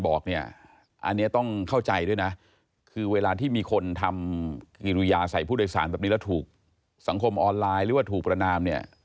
บอกเนี่ยอันนี้ต้องเข้าใจด้วยนะคือเวลาที่มีคนทำกิริยาใส่ผู้โดยสารแบบนี้แล้วถูกสังคมออนไลน์หรือว่าถูกประนามเนี่ย